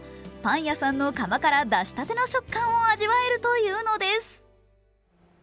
パン屋さんの窯から出しての食感を味わえるというのです。